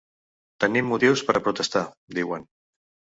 Tenim motius per a protestar, diuen.